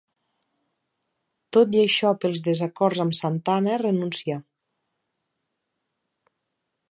Tot i això pels desacords amb Santa Anna renuncià.